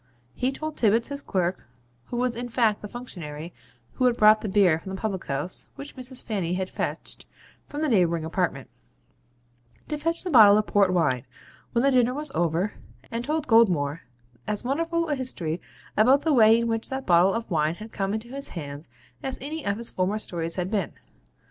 He told Tibbits, his clerk (who was in fact the functionary who had brought the beer from the public house, which Mrs. Fanny had fetched from the neighbouring apartment) to fetch 'the bottle of port wine,' when the dinner was over; and told Goldmore as wonderful a history about the way in which that bottle of wine had come into his hands as any of his former stories had been.